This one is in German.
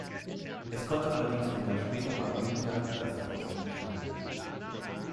Es konnte allerdings ein Jahr später bei Olympia die Klasse trotzdem nicht halten.